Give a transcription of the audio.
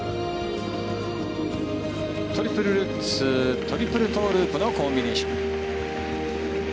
トリプルルッツトリプルトウループのコンビネーション。